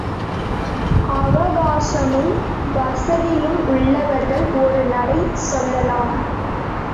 அவகாசமும் வசதியும் உள்ளவர்கள் ஒரு நடை செல்லலாம்.